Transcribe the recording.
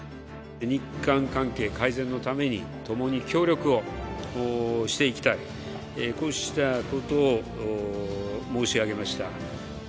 日韓関係改善のために共に協力をしていきたい、こうしたことを申し上げました。